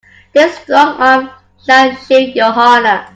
This strong arm shall shield your honor.